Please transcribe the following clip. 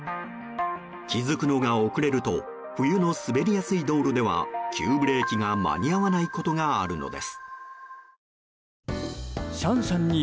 気づくのが遅れると冬の滑りやすい道路では急ブレーキが間に合わないことがあるのです。